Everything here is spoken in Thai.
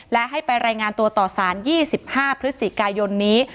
และให้ไปรายงานตัวต่อสาร๒๕พฤศจิกายนนี้